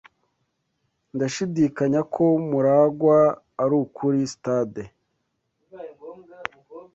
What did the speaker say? Ndashidikanya ko MuragwA arukuri stade.